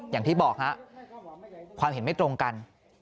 อย่างที่บอกฮะความเห็นไม่ตรงกัน